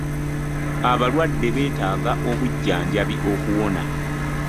Abalwadde beetaaga obujjanjabi okuwona.